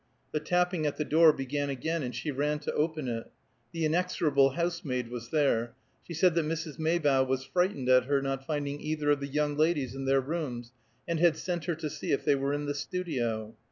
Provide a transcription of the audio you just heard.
The tapping at the door began again, and she ran to open it. The inexorable housemaid was there; she said that Mrs. Maybough was frightened at her not finding either of the young ladies in their rooms, and had sent her to see if they were in the studio.